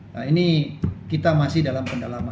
nah ini kita masih dalam pendalaman